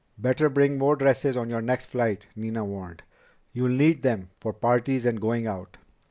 "Better bring more dresses on your next flight," Nina warned. "You'll need them for parties and going out."